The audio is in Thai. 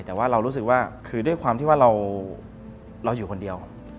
แต่ว่าเรารู้สึกว่าคือด้วยความที่ว่าเราอยู่คนเดียว